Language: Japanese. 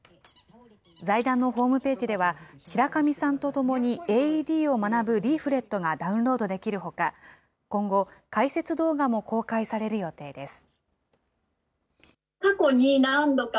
財団のホームページでは、白上さんとともにＡＥＤを学ぶリーフレットがダウンロードできるほか、今後、解説動画も公開される予定です。